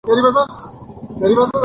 তোমরা তর্ক করা বন্ধ করো!